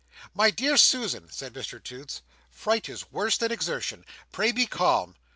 "My dear Susan," said Mr Toots, "fright is worse than exertion. Pray be calm!"